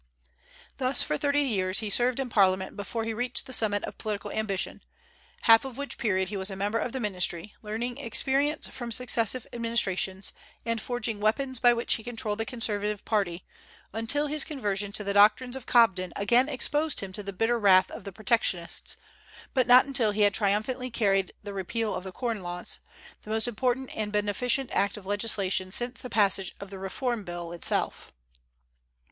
Thus for thirty years he served in Parliament before he reached the summit of political ambition, half of which period he was a member of the ministry, learning experience from successive administrations, and forging the weapons by which he controlled the conservative party, until his conversion to the doctrines of Cobden again exposed him to the bitter wrath of the protectionists; but not until he had triumphantly carried the repeal of the corn laws, the most important and beneficent act of legislation since the passage of the Reform Bill itself.